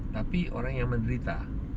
tapi orang yang menderita